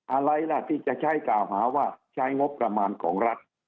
อะไรล่ะที่จะใช้กล่าวหาว่าใช้งบประมาณของรัฐ